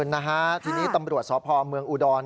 นะฮะทีนี้ตำรวจสพเมืองอุดร